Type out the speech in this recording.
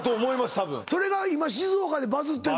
多分それが今静岡でバズってんの？